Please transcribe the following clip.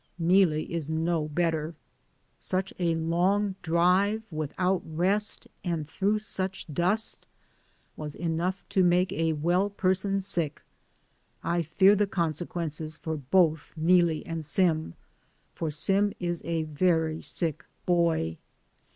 Neelie is no better. Such a long drive without rest and through such dust was enough to make a well person sick. I fear the consequences for both Neelie and Sim, for Sim is a very sick boy.